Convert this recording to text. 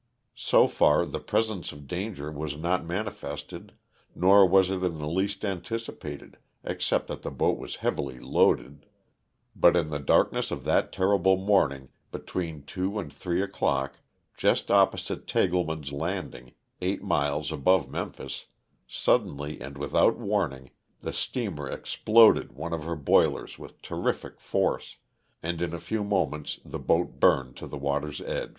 So far the presence of danger was not man ifested nor was it in the least anticipated except that the boat was heavily loaded, but in the darkness of that terrible morning, between two and three o'clock, just opposite Tagleman's Landing, eight miles above Memphis, suddenly, and without warning, the steamer exploded one of her boilers with terrific force, and in a few moments the boat burned to the water's edge.